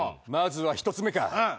まずは１つ目か。